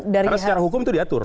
karena secara hukum itu diatur